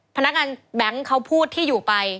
พนักงานแบงค์เขาพูดที่อยู่ไป